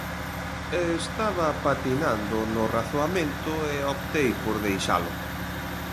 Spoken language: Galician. Estaba patinando no razoamento, e optei por deixalo.